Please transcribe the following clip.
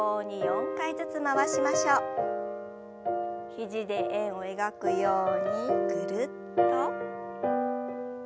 肘で円を描くようにぐるっと。